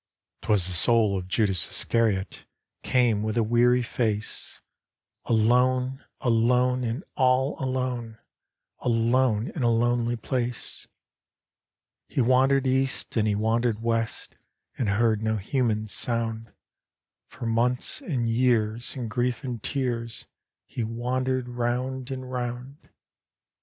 'Twas the soul of Judas Iscariot Came with a weary face — Alone, alone, and all alone, Alone in a lonely place I He wandered east and he wandered west, And heard no human sound; For months and years in grief and tears, He wandered round and round.